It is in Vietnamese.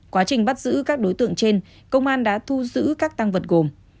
quá trình bắt giữ các đối tượng trên công an đã thu giữ các tăng vật gồm